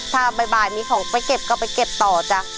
ถ้าบ่ายมีของไปเก็บก็ไปเก็บต่อจ้ะ